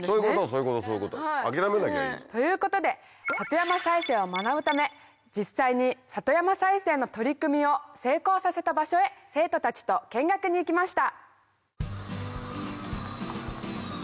そういうことそういうこと諦めなきゃいい。ということで里山再生を学ぶため実際に里山再生の取り組みを成功させた場所へ生徒たちと見学に行きました。